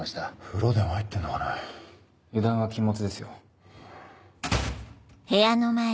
風呂でも入ってんのかな油断は禁物ですよ